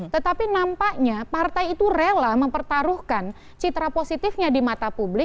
tetapi nampaknya partai itu rela mempertaruhkan citra positifnya